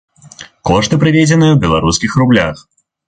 Кошты прыведзеныя ў беларускіх рублях.